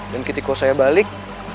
dan ketika saya balik